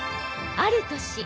ある年